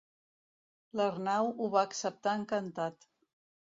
L'Arnau ho va acceptar encantat.